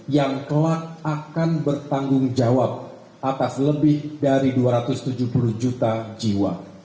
yang telah akan bertanggung jawab atas lebih dari dua ratus tujuh puluh juta jiwa